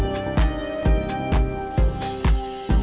sudah ada tenaga tambahan